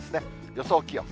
予想気温。